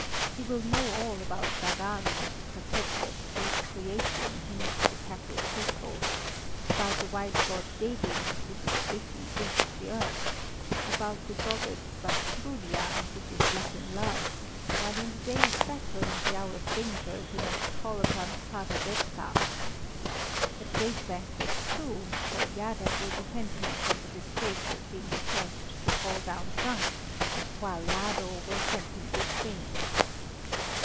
He will know all about Bagán, the protector of the brute creation, who makes the cattle fruitful; about the White God, Belim, who gives rich increase to the earth; about the goddess Vastrulia, who gives luck in love; while in the day of battle and the hour of danger he must call upon Father Dedka! At great banquets, too, Holyada will defend him from the disgrace of being the first to fall down drunk, while Lado will send him good dreams.